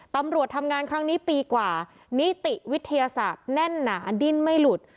ตำรวจทำงานครั้งนี้ปีกว่านิติวิทยาศาสตร์แน่นหนาดิ้นไม่หลุด